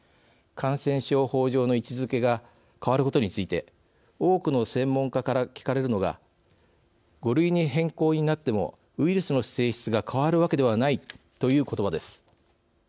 感染症法上の位置づけが変わることについて多くの専門家から聞かれるのが「５類に変更になってもウイルスの性質が変わるわけではない」という言葉です。